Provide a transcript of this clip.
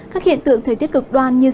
các hiện tượng thời tiết cực đoan như